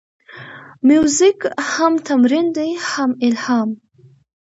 موزیک هم تمرین دی، هم الهام.